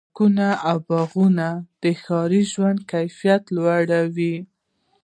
پارکونه او باغونه د ښاري ژوند کیفیت لوړوي.